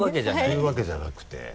そういうわけじゃなくて。